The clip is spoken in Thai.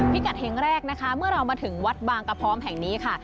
กัดแห่งแรกนะคะเมื่อเรามาถึงวัดบางกระพร้อมแห่งนี้ค่ะ